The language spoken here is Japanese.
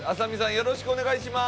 よろしくお願いします。